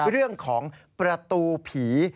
เรื่องของประตูผี